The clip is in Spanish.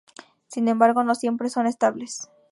Sin embargo, no siempre son estables.